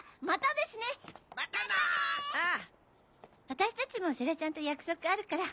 私たちも世良ちゃんと約束あるから。